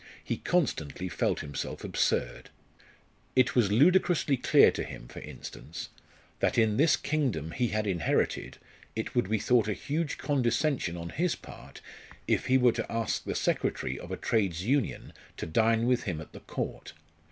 He constantly felt himself absurd. It was ludicrously clear to him, for instance, that in this kingdom he had inherited it would be thought a huge condescension on his part if he were to ask the secretary of a trades union to dine with him at the Court.